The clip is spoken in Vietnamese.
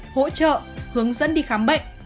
hỗ trợ hướng dẫn đi khám bệnh đảm bảo an toàn